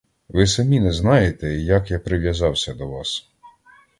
Ви самі не знаєте, як я прив'язався до вас.